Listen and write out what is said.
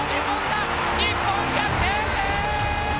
日本が逆転！